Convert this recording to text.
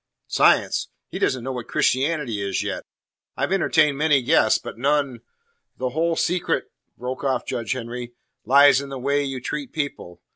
"Science! He doesn't know what Christianity is yet. I've entertained many guests, but none The whole secret," broke off Judge Henry, "lies in the way you treat people.